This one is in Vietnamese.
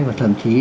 và thậm chí